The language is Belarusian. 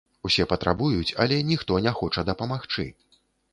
Усе патрабуюць, але ніхто не хоча дапамагчы.